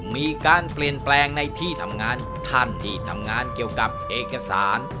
มีการเปลี่ยนแปลงในที่ทำงานท่านที่ทำงานเกี่ยวกับเอกสาร